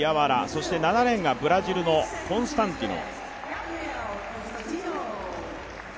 そして、７レーンがブラジルのコンスタンティノ。